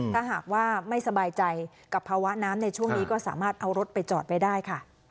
ถ้าหากว่าไม่สบายใจกับภาวะน้ำในช่วงนี้ก็สามารถเอารถไปจอดไว้ได้ค่ะ